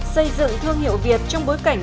xây dựng thương hiệu việt trong bối cảnh